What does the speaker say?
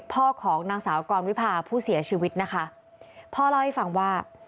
ของนางสาวกรวิพาผู้เสียชีวิตนะคะพ่อเล่าให้ฟังว่า